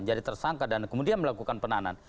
jadi tersangka dan kemudian melakukan penahanan